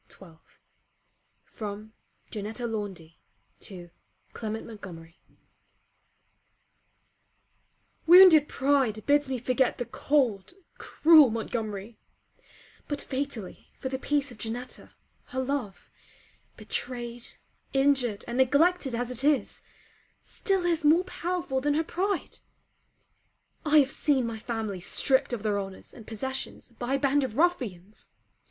LETTER XII FROM JANETTEA LAUNDY TO CLEMENT MONTGOMERY Wounded pride bids me forget the cold, cruel Montgomery; but fatally for the peace of Janetta, her love, betrayed injured and neglected as it is, still is more powerful than her pride. I have seen my family stripped of their honours and possessions by a band of ruffians.